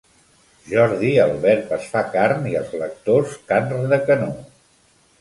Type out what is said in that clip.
Jordi el verb es fa carn i els lectors carn de canó.